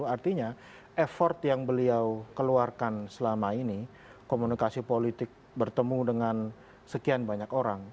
artinya effort yang beliau keluarkan selama ini komunikasi politik bertemu dengan sekian banyak orang